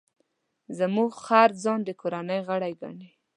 زموږ خر ځان د کورنۍ غړی ګڼي.